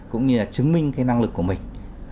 cũng như là chứng minh cái năng lực của mình